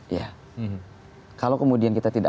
iya kalau kemudian kita tidak